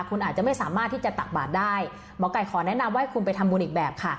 คุณอาจจะไม่สามารถที่จะตักบาทได้หมอไก่ขอแนะนำว่าให้คุณไปทำบุญอีกแบบค่ะ